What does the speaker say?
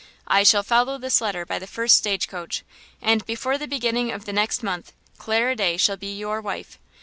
I shall follow this letter by the first stagecoach, and before the beginning of the next month Clara Day shall be your wife.